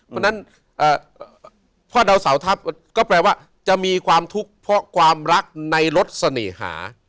เพราะฉะนั้นพ่อดาวเสาทัพก็แปลว่าจะมีความทุกข์เพราะความรักในรถเสน่หา